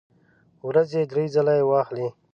ورځې درې ځله یی واخلئ